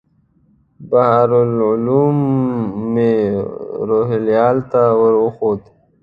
بحر العلوم مې روهیال ته ور وښود.